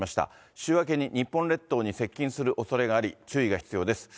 週明けに日本列島に接近するおそれがあり、注意が必要です。